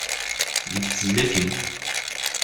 Deg tezlatin.